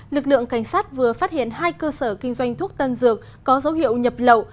lực lượng cảnh sát vừa phát hiện hai cơ sở kinh doanh thuốc tân dược có dấu hiệu nhập lậu